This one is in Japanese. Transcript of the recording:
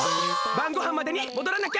ばんごはんまでにもどらなきゃ！